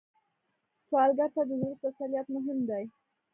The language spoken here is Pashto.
سوالګر ته د زړه تسلیت مهم دی